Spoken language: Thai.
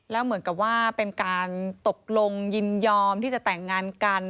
แล้วเหมือนกับว่าเป็นการตกลงยินยอมที่จะแต่งงานกัน